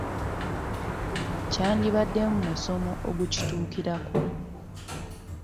Kyandibaddemu musomo ogukituukirako.